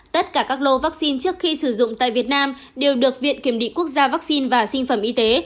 tất cả các lô vaccine trước khi sử dụng tại việt nam đều được viện kiểm định quốc gia vaccine và sinh phẩm y tế